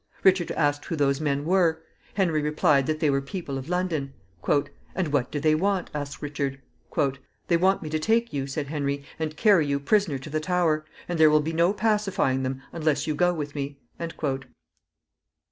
Richard asked who those men were. Henry replied that they were people of London. "And what do they want?" asked Richard. "They want me to take you," said Henry, "and carry you prisoner to the Tower; and there will be no pacifying them unless you go with me."